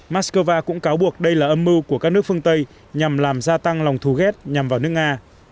mắc cơ va cũng cáo buộc đây là âm mưu của các nước phương tây nhằm làm gia tăng lòng thù ghét nhằm vào nước nga